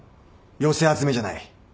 寄せ集めじゃない。